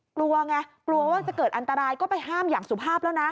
กลัวไงกลัวว่าจะเกิดอันตรายก็ไปห้ามอย่างสุภาพแล้วนะ